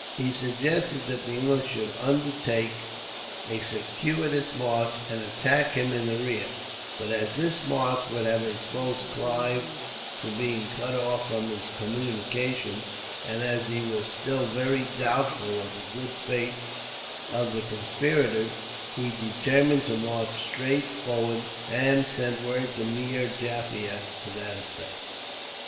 He suggested that the English should undertake a circuitous march, and attack him in the rear; but as this march would have exposed Clive to being cut off from his communications, and as he was still very doubtful of the good faith of the conspirators, he determined to march straight forward; and sent word to Meer Jaffier, to that effect.